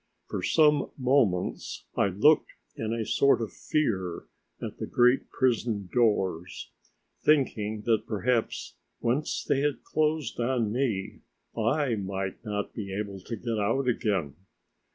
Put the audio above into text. For some moments I looked in a sort of fear at the great prison doors, thinking that perhaps once they had closed on me I might not be able to get out again.